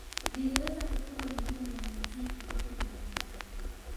Liliweza kutunga midundo ya muziki kutoka ndanindani